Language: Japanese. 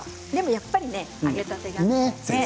やっぱり揚げたてがね。